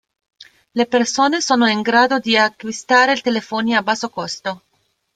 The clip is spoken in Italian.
Le persone sono in grado di acquistare telefoni a basso costo.